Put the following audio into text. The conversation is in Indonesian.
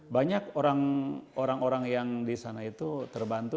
banyak orang orang yang di sana itu terbantu